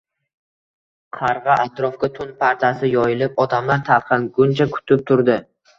Qarg‘a atrofga tun pardasi yoyilib, odamlar tarqalguncha kutib turdi